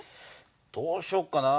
どうしよっかな。